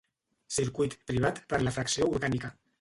Circuit privat per la Fracció Orgànica.